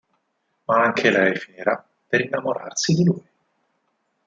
Ma anche lei finirà per innamorarsi di lui.